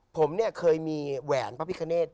ผมเนี่ยเคยมีแหวนพระพิคเนต